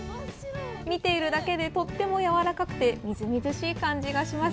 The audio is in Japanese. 見ているだけでとってもやわらかくて、みずみずしい感じがします。